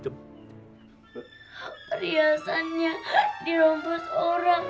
perhiasannya dirampas orang